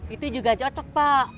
itu juga cocok pak